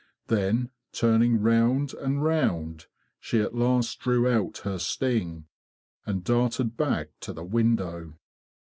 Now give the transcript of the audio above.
Then, turning round and round, she at last drew out her sting, and darted back to the window.